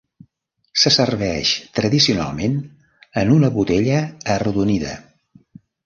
Se serveix tradicionalment en una botella arrodonida.